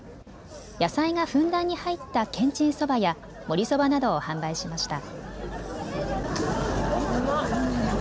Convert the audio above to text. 野菜がふんだんに入ったけんちんそばや盛りそばなどを販売しました。